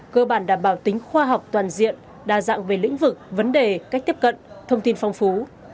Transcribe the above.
cơ bản đảm bảo tính khoa học toàn diện đa dạng về lĩnh vực vấn đề cách tiếp cận thông tin phong phú